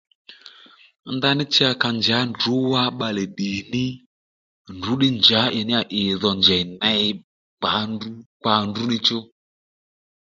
Ndaní cha ka njǎ ndrǔ wá ddì ní ndrǔ ddí njǎ ì níyà ì dho njèy ney kpa ndrú kpa ndrǔ níchú